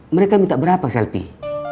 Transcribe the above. mereka minta berapa selfie